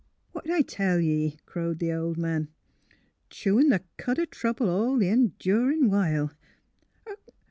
" What'd I tell ye," crowed the old man. ^' Chewin' the cud o' trouble all th' endurin' while.